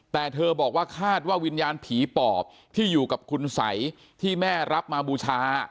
แต่เธอบอกว่าคาดว่าวิญญาณผีปอบที่อยู่กับคุณสัยที่แม่รับมาบูชา